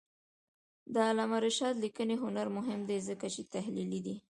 د علامه رشاد لیکنی هنر مهم دی ځکه چې تحلیلي دی.